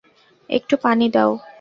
একটু পানি দাও।